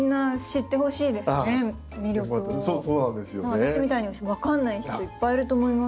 私みたいに分かんない人いっぱいいると思います。